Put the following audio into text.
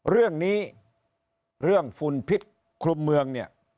เรื่องนี้เรื่องฝุ่นพิษคลุมเมืองเนี่ย